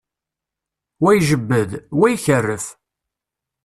Wa ijebbed, wa ikerref.